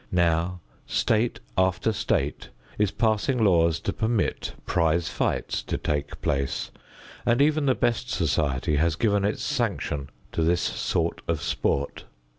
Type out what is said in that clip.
Now state after state is passing laws to permit prize fights to take place, and even the best society has given its sanction to this sort of sport.